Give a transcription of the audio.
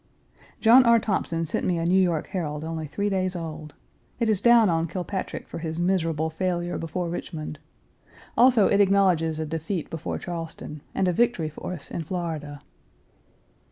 John R. Thompson sent me a New York Herald only three days old. It is down on Kilpatrick for his miserable Page 299 failure before Richmond. Also it acknowledges a defeat before Charleston and a victory for us in Florida.